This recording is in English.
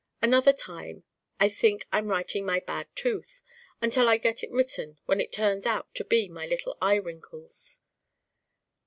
Another time I think I'm writing my Bad Tooth: until I get it written when it turns out to be my little Eye Wrinkles.